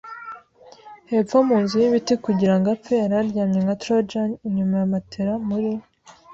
hepfo mu nzu y'ibiti kugirango apfe. Yari aryamye nka Trojan inyuma ya matelas muri